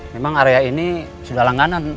memang area ini sudah langganan